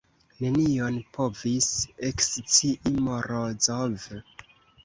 Nenion povis ekscii Morozov.